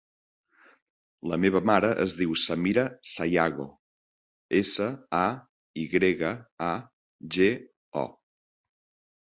La meva mare es diu Samira Sayago: essa, a, i grega, a, ge, o.